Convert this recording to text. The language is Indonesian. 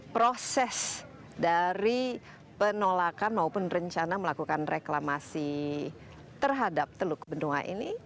proses dari penolakan maupun rencana melakukan reklamasi terhadap teluk benua ini